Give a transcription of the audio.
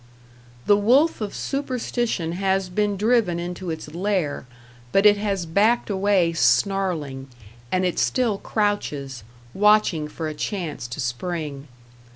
The wolf of superstition has been driven into its lair, but it has backed away snarling, and it still crouches, watching for a chance to spring.